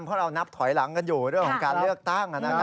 เพราะเรานับถอยหลังกันอยู่เรื่องของการเลือกตั้ง